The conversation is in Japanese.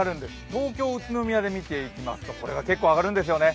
東京、宇都宮で見ていきますと、これが結構上がるんですね。